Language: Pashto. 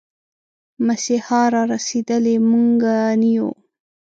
مسيحا را رسېدلی، موږه نه يو